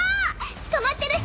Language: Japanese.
捕まってる人